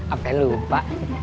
apa yang lu lupa